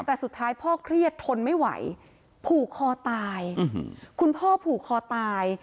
แต่สุดท้ายพ่อเครียดทนไม่ไหวผูกคอตายคุณพ่อผูกคอตาย